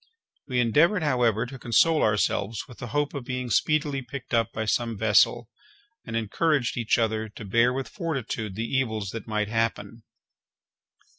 We endeavoured, however, to console ourselves with the hope of being speedily picked up by some vessel and encouraged each other to bear with fortitude the evils that might happen.